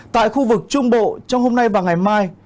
tại khu vực trung bộ trong hôm nay và ngày mai